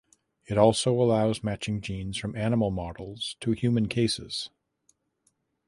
It also allows matching genes from animal models to human cases.